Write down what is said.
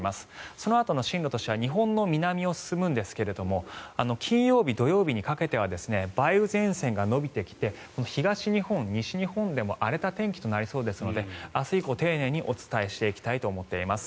そのあとの進路としては日本の南を進むんですが金曜日、土曜日にかけては梅雨前線が延びてきて東日本、西日本でも荒れた天気となりそうですので明日以降丁寧にお伝えしていきたいと思っています。